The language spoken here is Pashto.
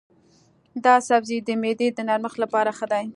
دا سبزی د معدې د نرمښت لپاره ښه دی.